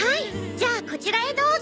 じゃあこちらへどうぞ。